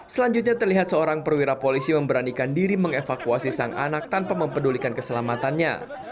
selanjutnya terlihat seorang perwira polisi memberanikan diri mengevakuasi sang anak tanpa mempedulikan keselamatannya